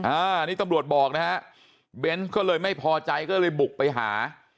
อันนี้ตำรวจบอกนะฮะเบนส์ก็เลยไม่พอใจก็เลยบุกไปหา